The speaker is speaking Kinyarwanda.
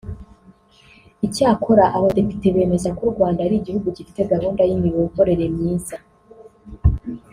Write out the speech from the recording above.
Icyakora aba badepite bemeza ko u Rwanda ari igihugu gifite gahunda y’imiyoborere myiza